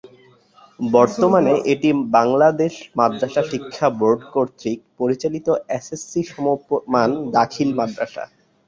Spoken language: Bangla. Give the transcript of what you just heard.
বর্তমানে এটি বাংলাদেশ মাদ্রাসা শিক্ষা বোর্ড কতৃক পরিচালিত এসএসসি সমমান দাখিল মাদ্রাসা।